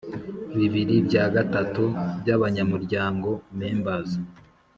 bibiri bya gatatu by abanyamuryango members